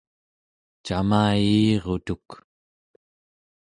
cama-i-irutuk